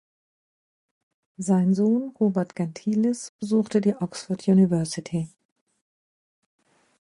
Sein Sohn Robert Gentilis besuchte die Oxford University.